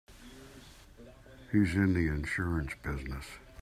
He's in the insurance business.